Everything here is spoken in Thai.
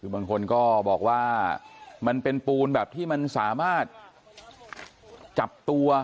คือบางคนก็บอกว่ามันเป็นปูนแบบที่มันสามารถจับตัว